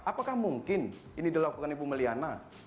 apakah mungkin ini dilakukan ibu may liana